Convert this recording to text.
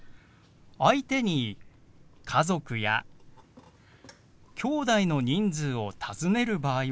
相手に家族やきょうだいの人数を尋ねる場合は。